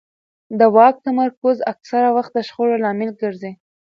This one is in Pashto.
د واک تمرکز اکثره وخت د شخړو لامل ګرځي